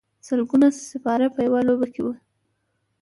سلګونه سپاره په یوه لوبه کې وي.